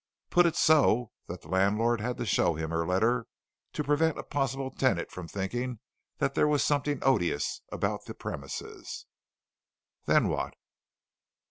Put it so that the landlord had to show him her letter to prevent a possible tenant from thinking that there was something odious about the premises." "Then what?"